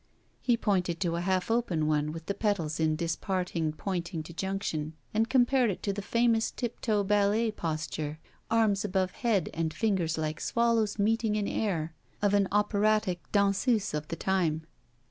He pointed to a half open one, with the petals in disparting pointing to junction, and compared it to the famous tiptoe ballet posture, arms above head and fingers like swallows meeting in air, of an operatic danseuse of the time.